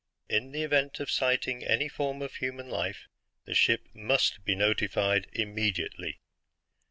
In the event of sighting any form of human life, the ship MUST be notified immediately.